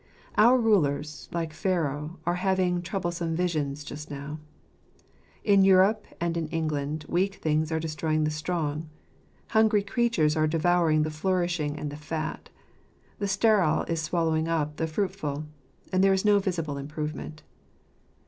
Our rulers, like Pharaoh, are having troublesome visions just now. In Europe and in England weak things are destroying the strong; hungry creatures are devouring the flourishing and the fat ; the sterile is swallowing up the fruitful : and there is no visible improvement.